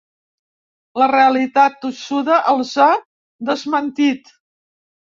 La realitat, tossuda, els ha desmentit.